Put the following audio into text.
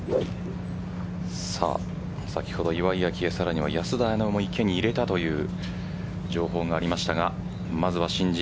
先ほど岩井明愛さらには安田彩乃も池に入れたという情報がありました。